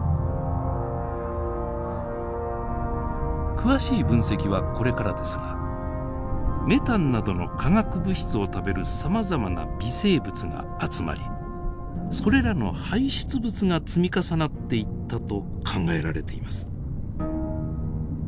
詳しい分析はこれからですがメタンなどの化学物質を食べるさまざまな微生物が集まりそれらの排出物が積み重なっていったと考えられています。